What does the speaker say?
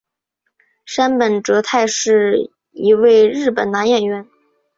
杉本哲太是一位日本男演员。